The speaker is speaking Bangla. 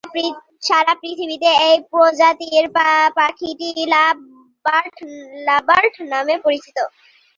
সারা পৃথিবীতে এই প্রজাতির পাখিটি লাভ বার্ড নামে পরিচিত।